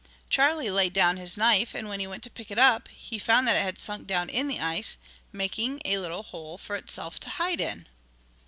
Charlie laid down his knife, and when he went to pick it up, he found that it had sunk down in the ice, making a little hole for itself to hide in.